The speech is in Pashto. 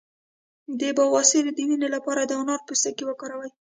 د بواسیر د وینې لپاره د انار پوستکی وکاروئ